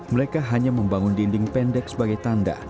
mereka hanya membangun dinding pendek sebagai tanda